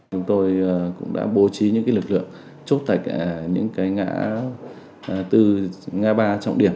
chúng tôi cũng đã bố trí những lực lượng chốt tại những ngã tư ngã ba trọng điểm